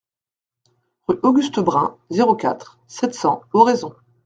Rue Auguste Brun, zéro quatre, sept cents Oraison